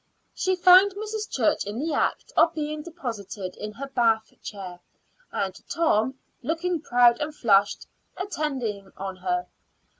She found Mrs. Church in the act of being deposited in her bath chair, and Tom, looking proud and flushed, attending on her.